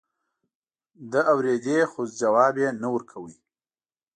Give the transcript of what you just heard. ده اورېدې خو ځواب يې نه ورکاوه.